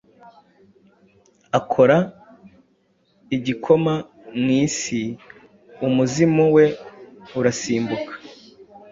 akora igikoma mu isiumuzimu we urasimbuka